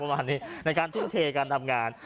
ประมาณนี้ในการทุ่มเทการทำงาน